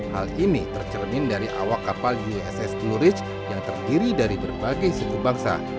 hal ini tercermin dari awak kapal uss blue rich yang terdiri dari berbagai suku bangsa